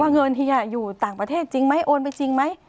เงินเฮียอยู่ต่างประเทศจริงไหมโอนไปจริงไหม